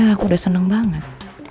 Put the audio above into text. aku udah seneng banget